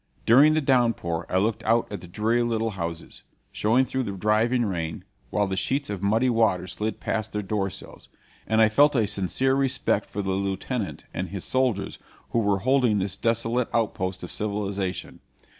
During the downpour I looked out at the dreary little houses, showing through the driving rain, while the sheets of muddy water slid past their door sills; and I felt a sincere respect for the lieutenant and his soldiers who were holding this desolate outpost of civilization.